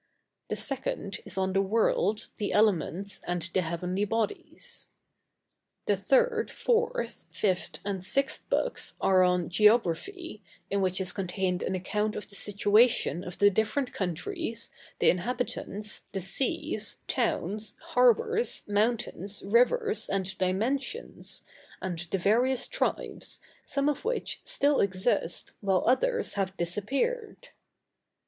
The 2d is on the World, the Elements, and the Heavenly Bodies. The 3d, 4th, 5th and 6th books are on Geography, in which is contained an account of the situation of the different countries, the inhabitants, the seas, towns, harbors, mountains, rivers, and dimensions, and the various tribes, some of which still exist while others have disappeared.